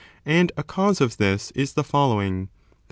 And a cause of this is the following, that 2.